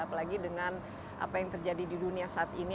apalagi dengan apa yang terjadi di dunia saat ini